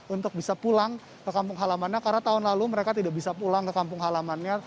untuk bisa pulang ke kampung halamannya karena tahun lalu mereka tidak bisa pulang ke kampung halamannya